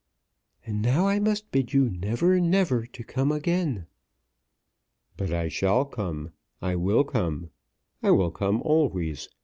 "And now I must bid you never, never to come again." "But I shall come. I will come. I will come always.